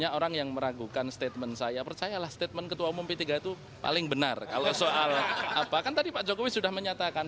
jelang penutupan pendaftaran